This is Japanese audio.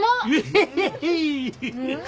ヘヘヘヘ。